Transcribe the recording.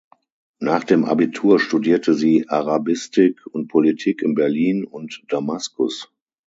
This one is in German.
Nach dem Abitur studierte sie Arabistik und Politik in Berlin und Damaskus.